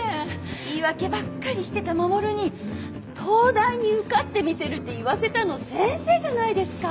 言い訳ばっかりしてた守に東大に受かってみせるって言わせたの先生じゃないですか。